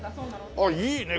ああいいね。